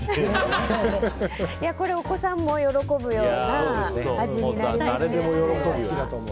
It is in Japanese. お子さんも喜ぶような味になりますね。